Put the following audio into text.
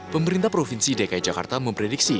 pemerintah provinsi dki jakarta memprediksi